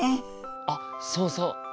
あっそうそう。